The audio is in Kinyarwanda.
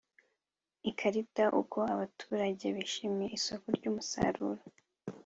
Ikarita uko abaturage bishimiye isoko ry umusaruro